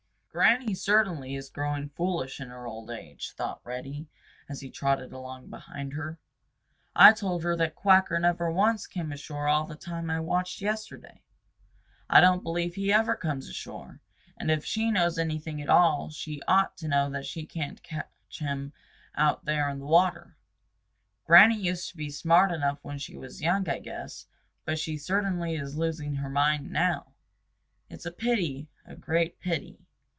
"Granny certainly is growing foolish in her old age," thought Reddy, as he trotted along behind her. "I told her that Quacker never once came ashore all the time I watched yesterday. I don't believe he ever comes ashore, and if she knows anything at all she ought to know that she can't catch him out there in the water. Granny used to be smart enough when she was young, I guess, but she certainly is losing her mind now. It's a pity, a great pity.